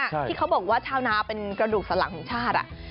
ที่เขาบอกว่าชาวนาเป็นกระดูกสลังของชาติ